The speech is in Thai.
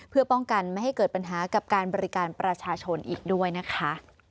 เพื่อป้องกันไม่ให้เกิดปัญหากับการบริการประชาชนอีกด้วยนะคะ